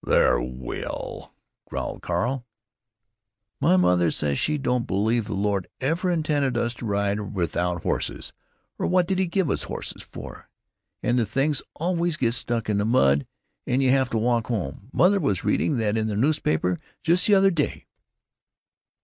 "There will——" growled Carl. "My mother says she don't believe the Lord ever intended us to ride without horses, or what did He give us horses for? And the things always get stuck in the mud and you have to walk home—mother was reading that in a newspaper, just the other day."